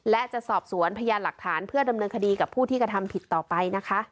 และจะสอบสวนพยานหลักฐานเพื่อดำเนินคดีกับผู้ที่กระทำผิดต่อไปนะคะ